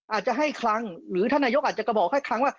อาจจะให้ครั้งหรือท่านนายกอธิบอธิบัติจะก็บอกให้ครั้ง